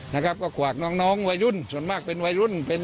นะครับก็กวากน้องน้องวัยรุ่นส่วนมากเป็นวัยรุ่นเป็น